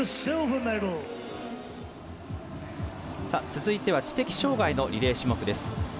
続いては知的障がいのリレー種目です。